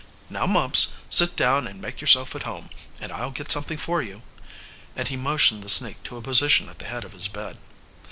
"Now, Mumps, sit down and make yourself at home, and I'll get something for you," and he motioned the sneak to a position at the head of his bed.